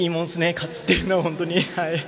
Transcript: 勝つというのは、本当に。